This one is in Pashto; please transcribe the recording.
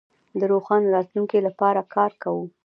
د روښانه راتلونکي لپاره کار کوو.